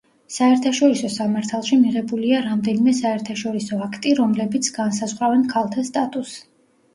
საერთაშორისო სამართალში მიღებულია რამდენიმე საერთაშორისო აქტი, რომლებიც განსაზღვრავენ ქალთა სტატუსს.